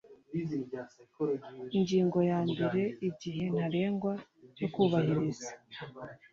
Ingingo ya mbere Igihe ntarengwa cyo kubahiriza